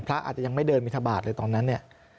พระอาจจะยังไม่เดินมิถบาทเลยตอนนั้น